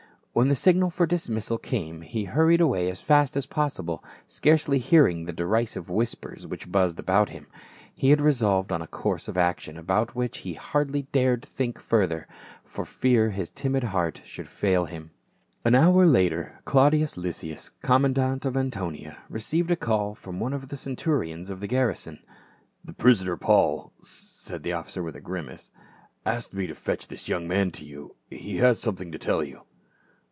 When the signal for dismissal came he hurried away as fast as possible, scarcely hearing the derisive whispers which buzzed about him. He had resolved on a course of action about which he hardly dared think further, for fear his timid heart should fail him. An hour later Claudius Lysias, commandant of Antonia, received a call from one of the centurions of the garrison. "The prisoner Paul," said that officer with a grimace, " asked me to fetch this young man to you ; he has something to tell you."